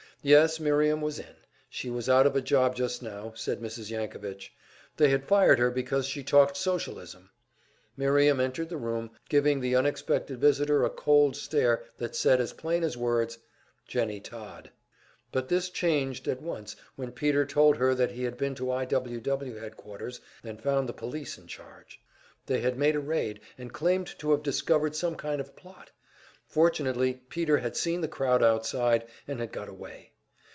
Yes, Miriam was in. She was out of a job just now, said Mrs. Yankovitch. They had fired her because she talked Socialism. Miriam entered the room, giving the unexpected visitor a cold stare that said as plain as words: "Jennie Todd!" But this changed at once when Peter told her that he had been to I. W. W. headquarters and found the police in charge. They had made a raid, and claimed to have discovered some kind of plot; fortunately Peter had seen the crowd outside, and had got away.